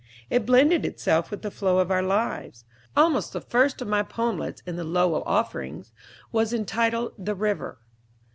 It blended itself with the flow of our lives. Almost the first of my poemlets in the "Lowell Offering" was entitled "The River."